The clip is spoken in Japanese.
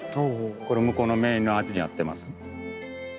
これ向こうのメインのアーチでやってます。